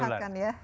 masih sehat kan ya